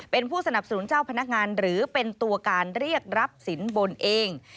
เป็นผู้สนับสนุนเจ้าพนักงานหรือเป็นตัวการเรียกรับสินบนเอง